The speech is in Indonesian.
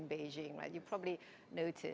bagaimana menurut anda